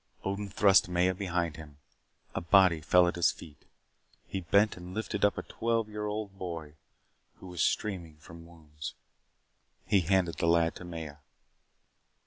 Odin thrust Maya behind him. A body fell at his feet. He bent and lifted up a twelve year old boy who was streaming from wounds. He handed the lad to Maya.